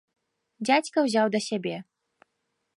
Дзядзька ўзяў да сябе.